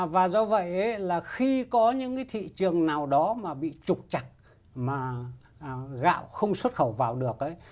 và do vậy là khi có những cái thị trường nào đó mà bị trục chặt mà gạo không xuất khẩu vào được ấy